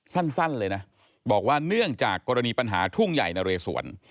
สั้นเลยนะบอกว่าเนื่องจากกรณีปัญหาทุ่งใหญ่นะเรสวน